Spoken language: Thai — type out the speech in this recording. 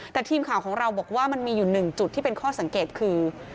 แต่ทีมข่าวของเราบอกว่ามันมีอยู่หนึ่งจุดที่เป็นข้อสังเกตคือ